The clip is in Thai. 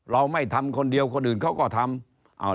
เราไม่ทำคนเดียวคนอื่นเขาก็ทำ